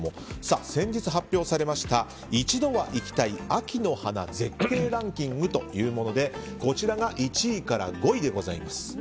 先日発表されました一度は行きたい秋の花絶景ランキングというものでこちらが１位から５位です。